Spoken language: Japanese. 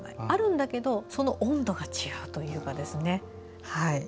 あるんだけどその温度が違うというかですね。